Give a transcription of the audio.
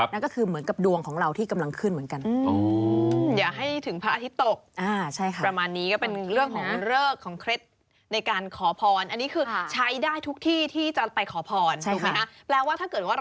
นั่นก็คือเหมือนกับดวงของเราที่กำลังขึ้นเหมือนกัน